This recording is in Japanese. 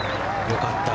よかった。